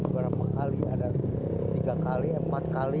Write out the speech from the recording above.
berapa kali ada tiga kali empat kali